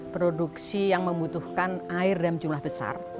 produksi yang membutuhkan air dalam jumlah besar